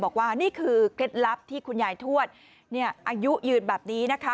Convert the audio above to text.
บอกว่านี่คือเคล็ดลับที่คุณยายทวดอายุยืนแบบนี้นะคะ